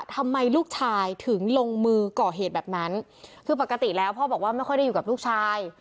ทำไมลูกชายถึงลงมือก่อเหตุแบบนั้นคือปกติแล้วพ่อบอกว่าไม่ค่อยได้อยู่กับลูกชาย